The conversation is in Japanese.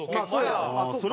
あっそうか。